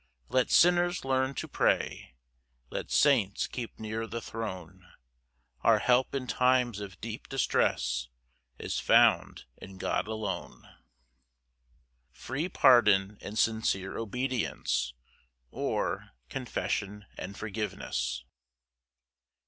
4 Let sinners learn to pray, Let saints keep near the throne; Our help in times of deep distress, Is found in God alone. Psalm 32:2. First Part. L. M. Free pardon and sincere obedience; or, Confession and forgiveness.